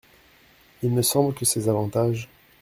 Il me semble que ces avantages…